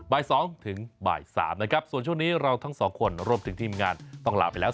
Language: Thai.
บ่าย๒ถึงบ่าย๓นะครับส่วนช่วงนี้เราทั้งสองคนรวมถึงทีมงานต้องลาไปแล้ว